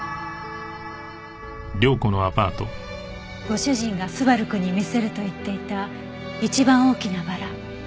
ご主人が昴くんに見せると言っていた一番大きなバラ。